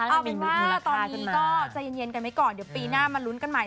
เอาเป็นว่าตอนนี้ก็ใจเย็นกันไว้ก่อนเดี๋ยวปีหน้ามาลุ้นกันใหม่